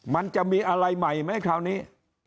มันจะมีอะไรใหม่ไหมคราวนี้